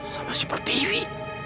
sama si pertiwi